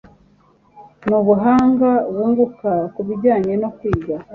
ni ubuhanga wunguka ku bijyanye no kwiga